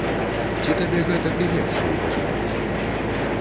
Ці табе гэтак і век свой дажываць!